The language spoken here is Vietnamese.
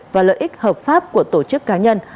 và lợi ích hợp pháp của tổ chức cá nhân